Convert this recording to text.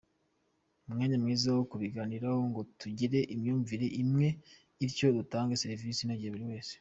umwanya mwiza wo kubiganiraho ngo tugire imyumvire imwe bityo dutange serivisi inogeye buri wese”.